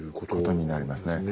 ことになりますね。